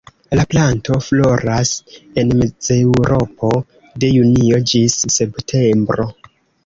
La planto floras en Mezeŭropo de junio ĝis septembro.